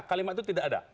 kalimat itu tidak ada